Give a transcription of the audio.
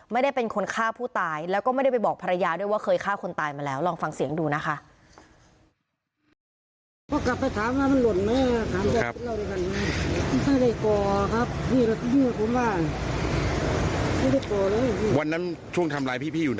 ไม่ได้เป็นคนฆ่าผู้ตายแล้วก็ไม่ได้ไปบอกภรรยาด้วยว่าเคยฆ่าคนตายมาแล้วลองฟังเสียงดูนะคะ